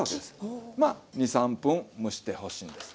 まあ２３分蒸してほしいんです。